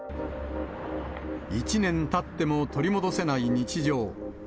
１年たっても取り戻せない日常。